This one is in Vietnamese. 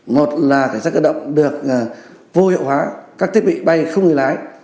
một là cảnh sát cơ động được vô hiệu hóa các thiết bị bay không người lái